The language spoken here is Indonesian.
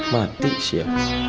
mati sih ya